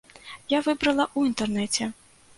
Я выбрала ў інтэрнэце.